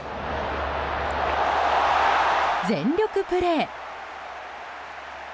全力プレー。